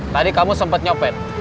tadi kamu sempet nyopet